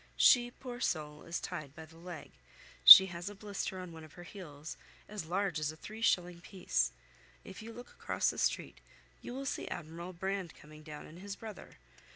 She, poor soul, is tied by the leg. She has a blister on one of her heels, as large as a three shilling piece. If you look across the street, you will see Admiral Brand coming down and his brother.